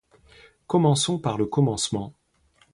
Commençons par le commencement.